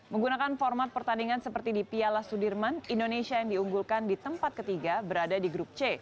menggunakan format pertandingan seperti di piala sudirman indonesia yang diunggulkan di tempat ketiga berada di grup c